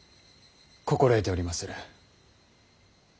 心得ておりまする。